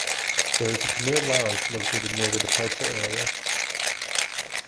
There is a premier lounge located near the departure area.